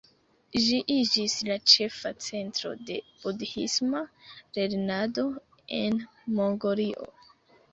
Ĝi iĝis la ĉefa centro de budhisma lernado en Mongolio.